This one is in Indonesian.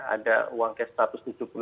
ada uang cash satu ratus tujuh puluh